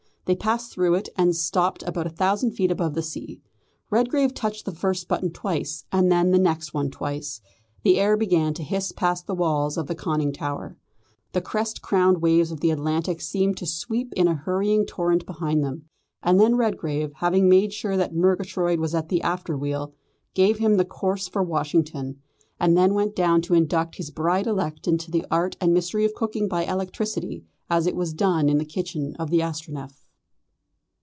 They passed through it, and stopped about a thousand feet above the sea. Redgrave touched the first button twice, and then the next one twice. The air began to hiss past the walls of the conning tower. The crest crowned waves of the Atlantic seemed to sweep in a hurrying torrent behind them, and then Redgrave, having made sure that Murgatroyd was at the after wheel, gave him the course for Washington, and then went down to induct his bride elect into the art and mystery of cooking by electricity as it was done in the kitchen of the Astronef.